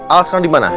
al sekarang dimana